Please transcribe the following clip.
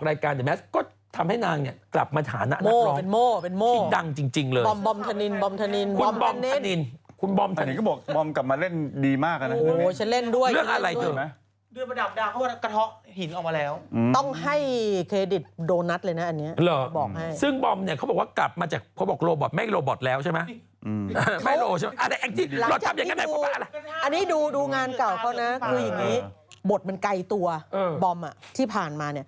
ครบทมันไกลตัวบลอมอ่ะน่ะที่ผ่านมาเนี้ย